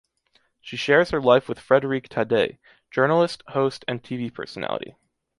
She shares her life with Frédéric Taddeï, journalist, host and TV personality.